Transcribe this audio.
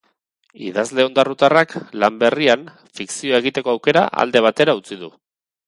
Idazle ondarrutarrak, lan berrian, fikzioa egiteko aukera alde batera utzi du.